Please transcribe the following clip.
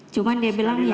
cuma dia bilang ya